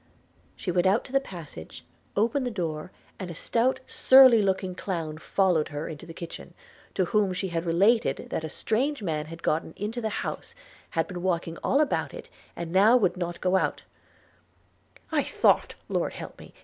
She went out to the passage, opened the door, and a stout surly looking clown followed her into the kitchen, to whom she had related that a strange man had gotten into the house, had been walking all about it, and now would not go out – 'I thoft, Lord help me!